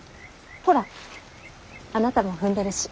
ほらあなたも踏んでるし。